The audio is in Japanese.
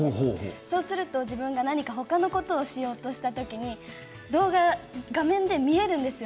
そうすると自分が何か他のことをしようとした時に動画、画面で見えるんですよ。